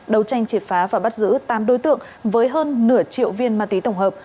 đấu tranh triệt phá và bắt giữ tám đối tượng với hơn nửa triệu viên ma túy tổng hợp